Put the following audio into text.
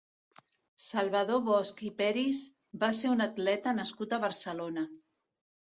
Salvador Bosch i Peris va ser un atleta nascut a Barcelona.